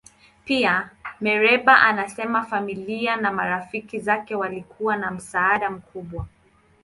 Pia, Mereba anasema familia na marafiki zake walikuwa na msaada mkubwa.